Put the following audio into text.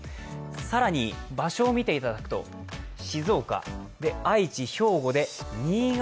更に、場所を見ていただくと静岡、愛知、兵庫で新潟